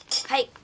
はい。